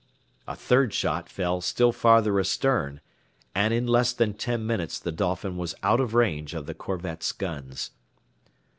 A third shot fell still farther astern, and in less than ten minutes the Dolphin was out of range of the corvette's guns.